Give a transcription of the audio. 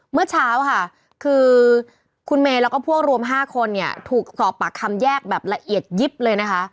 เมื่อเช้าค่ะคือคุณเมย์แล้วก็พวกรวม๕คนเนี่ยถูกสอบปากคำแยกแบบละเอียดยิบเลยนะคะ